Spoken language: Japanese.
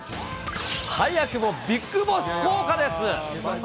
早くもビッグボス効果です。